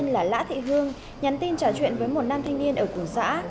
là lã thị hương nhắn tin trả chuyện với một nam thanh niên ở tù xã